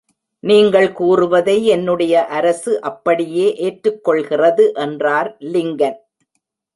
நீங்கள் கூறுவதை என்னுடைய அரசு அப்படியே ஏற்றுக் கொள்கிறது என்றார் லிங்கன்.